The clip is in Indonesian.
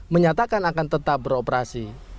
menyatakan akan tetap beroperasi